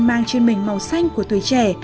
mang trên mình màu xanh của tuổi trẻ